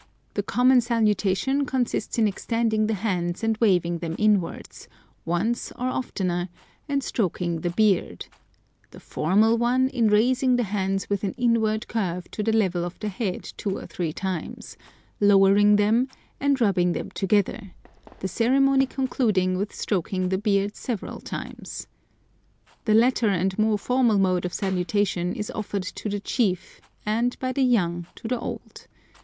The common salutation consists in extending the hands and waving them inwards, once or oftener, and stroking the beard; the formal one in raising the hands with an inward curve to the level of the head two or three times, lowering them, and rubbing them together; the ceremony concluding with stroking the beard several times. The latter and more formal mode of salutation is offered to the chief, and by the young to the old men.